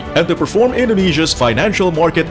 dan untuk memperkuat keberagaman pasar finansial indonesia